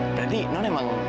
berarti non emang